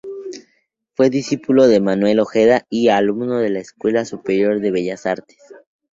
Fue discípulo de Manuel Ojeda y alumno de la Escuela Superior de Bellas Artes.